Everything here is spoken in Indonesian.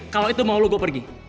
kalau itu mau lo gue pergi